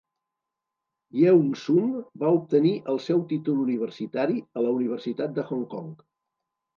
Yeung Sum va obtenir el seu títol universitari a la Universitat de Hong Kong.